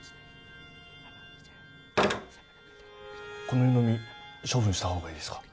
この湯飲み処分した方がいいですか？